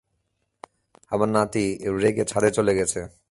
আমার নাতি রেগে ছাদে চলে গেছে।